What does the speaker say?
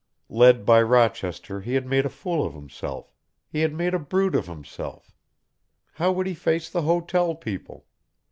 Led by Rochester he had made a fool of himself, he had made a brute of himself, how would he face the hotel people?